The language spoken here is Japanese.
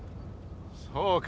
そうか！